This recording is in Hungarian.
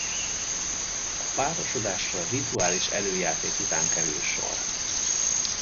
A párosodásra rituális előjáték után kerül sor.